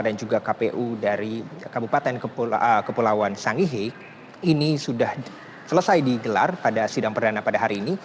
dan juga kpu dari kabupaten kepulauan sangihe ini sudah selesai digelar pada sidang perdana pada hari ini